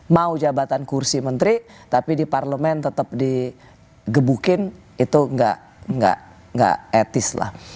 mau jabatan kursi menteri tapi di parlemen tetap digebukin itu nggak etis lah